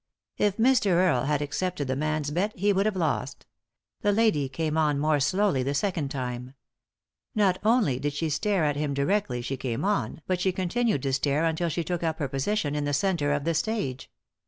If Mr. Earle had accepted the man's bet he would have lost. The lady came on more slowly the second time. Not only did she stare at him directly she came on, but she continued to stare until she took up her position in the centre of the stage.